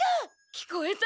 聞こえた！